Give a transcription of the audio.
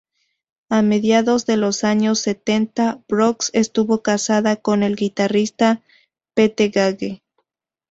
A mediados de los años setenta, Brooks estuvo casada con el guitarrista Pete Gage.